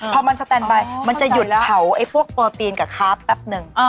พอมันสแตนไปมันจะหยุดเห่าไอ้พวกโปรตีนกับค้าแป๊บนึง